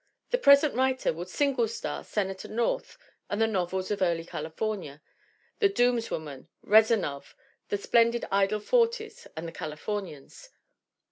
The present writer would singlestar Senator North and the novels of early California The Doomswoman, Rezanov, The Splendid Idle Forties and The Californians.